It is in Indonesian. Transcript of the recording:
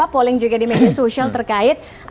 polling juga di media sosial terkait